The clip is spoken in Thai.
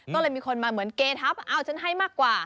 ก็เลยมีคนมาเหมือนเกทับฉันให้มากกว่า